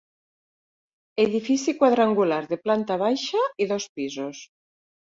Edifici quadrangular de planta baixa i dos pisos.